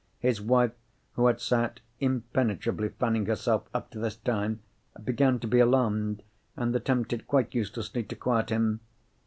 His wife, who had sat impenetrably fanning herself up to this time, began to be alarmed, and attempted, quite uselessly, to quiet him.